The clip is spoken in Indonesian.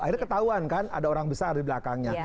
akhirnya ketahuan kan ada orang besar di belakangnya